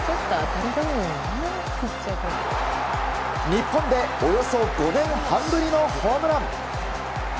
日本でおよそ５年半ぶりのホームラン。